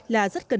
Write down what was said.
là rất khó khăn